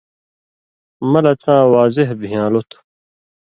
مہ لہ څاں واضح بِھیان٘لو تھُو۔